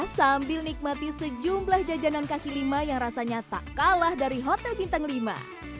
sambil nikmati sejumlah jajanan kaki lima yang rasanya tak kalah dari hotel bintang lima